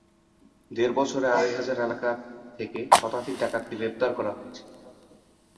দেড় বছরে আড়াই হাজার এলাকা থেকে শতাধিক ডাকাতকে গ্রেপ্তার করা হয়েছে।